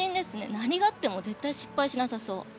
何があっても絶対に失敗しなさそう。